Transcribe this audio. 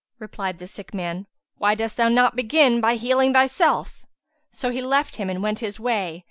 Replied the sick man, 'Why dost thou not begin by healing thyself?' So he left him and went his way.